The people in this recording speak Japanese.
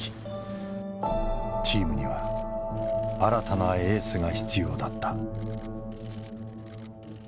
チームには新たなエースが必要だった。